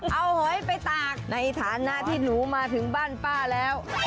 เอาหอยไปตากในฐานะที่หนูมาถึงบ้านป้าแล้ว